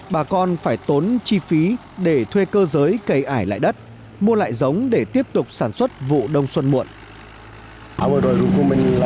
bà con phải tốn chi phí để thuê cơ giới cầy ải lại đất mua lại giống để tiếp tục sản xuất vụ đông xuân muộn